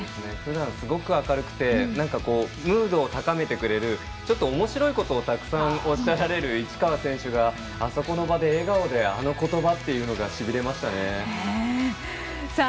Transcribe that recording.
ふだん、すごく明るくてムードを高めてくれるちょっとおもしろいことをたくさんおっしゃられる市川選手があそこの場で、笑顔であの言葉というのがしびれました。